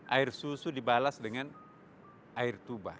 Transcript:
air susu dibalas dengan air tuba